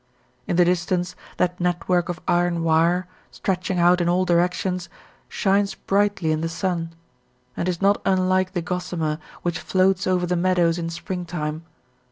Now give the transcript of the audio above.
In the distance that network of iron wire, stretching out in all directions, shines brightly in the sun, and is not unlike the gossamer which floats over the meadows in spring time.